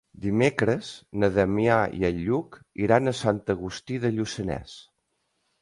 Dimecres na Damià i en Lluc iran a Sant Agustí de Lluçanès.